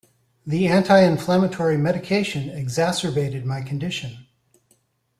The anti-inflammatory medication exacerbated my condition.